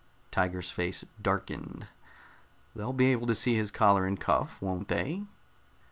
Tiger's face darkened. "They'll be able to see his collar and cuff, won't they?"